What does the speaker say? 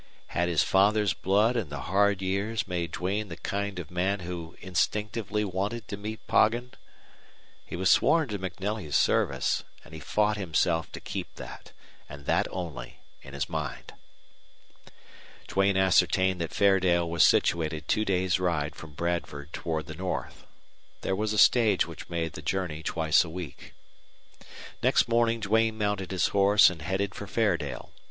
Had his father's blood and the hard years made Duane the kind of man who instinctively wanted to meet Poggin? He was sworn to MacNelly's service, and he fought himself to keep that, and that only, in his mind. Duane ascertained that Fairdale was situated two days' ride from Bradford toward the north. There was a stage which made the journey twice a week. Next morning Duane mounted his horse and headed for Fairdale.